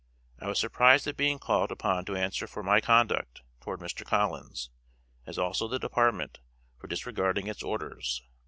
I was surprised at being called upon to answer for 'my conduct' toward Mr. Collins, as also the Department for disregarding its orders.